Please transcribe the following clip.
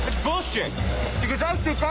どうして？